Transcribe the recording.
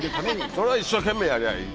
それを一生懸命やりゃいい。